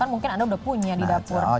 mungkin anda udah punya di dapur